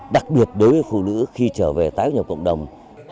đặc biệt đối với phụ nữ khi trở về tái nhập cộng đồng